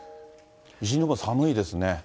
西日本、寒いですね。